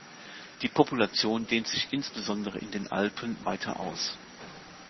Die Population dehnt sich insbesondere in den Alpen weiter aus.